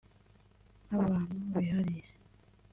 nk’abantu bihariye